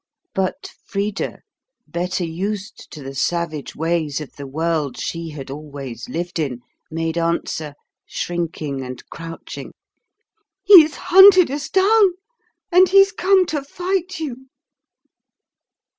But Frida, better used to the savage ways of the world she had always lived in, made answer, shrinking and crouching, "He's hunted us down, and he's come to fight you."